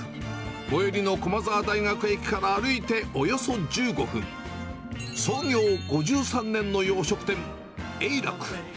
最寄りの駒沢大学駅から歩いておよそ１５分、創業５３年の洋食店、えいらく。